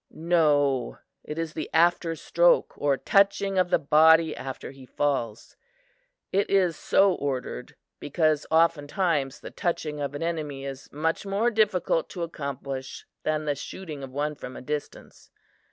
"No, it is the after stroke or touching of the body after he falls. It is so ordered, because oftentimes the touching of an enemy is much more difficult to accomplish than the shooting of one from a distance.